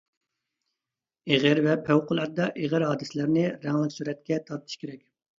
ئېغىر ۋە پەۋقۇلئاددە ئېغىر ھادىسىلەرنى رەڭلىك سۈرەتكە تارتىش كېرەك.